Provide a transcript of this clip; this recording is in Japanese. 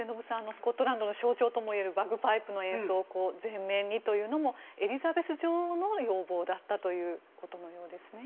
スコットランドの象徴ともいえるバグパイプの演奏を前面にというのもエリザベス女王の要望だったということのようですね。